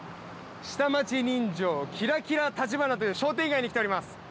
下町人情キラキラ橘という商店街に来ております。